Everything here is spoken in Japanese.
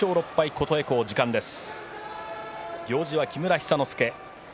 琴恵光、時間です。